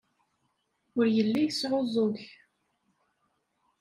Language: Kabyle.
Ur yelli yesɛuẓẓug.